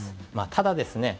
ただですえ